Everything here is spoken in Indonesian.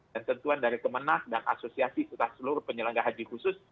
dan tentuan dari kemenang dan asosiasi kita seluruh penyelenggara haji khusus